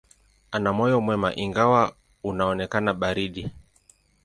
Ana moyo mwema, ingawa unaonekana baridi.